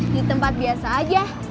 di tempat biasa aja